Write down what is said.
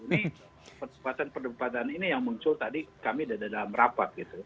ini persoalan persoalan ini yang muncul tadi kami ada dalam rapat gitu